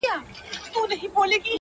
زندګي هم يو تجربه وه ښه دى تېره سوله-